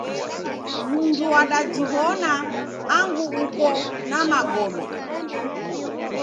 Mundu wadajiw'ona angu ukona magome.